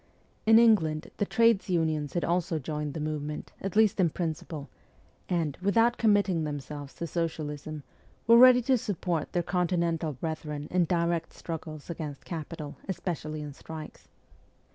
In England the trades unions had also joined the movement, at least in principle, and, without com mitting themselves to Socialism, were ready to support their Continental brethren in direct struggles against capital, especially in strikes.